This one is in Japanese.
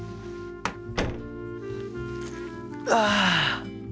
ああ。